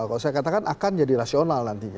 kalau saya katakan akan jadi rasional nanti